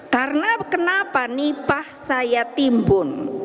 karena kenapa nipah saya timbun